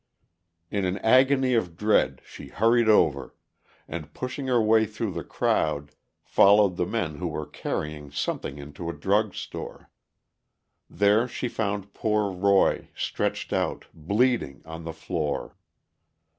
In an agony of dread, she hurried over, and, pushing her way through the crowd, followed the men who were carrying something into a drugstore. There she found poor Roy, stretched out, bleeding, on the floor.